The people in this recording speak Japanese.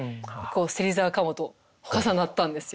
芹沢鴨と重なったんですよ。